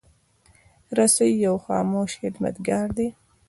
رسۍ یو خاموش خدمتګار دی.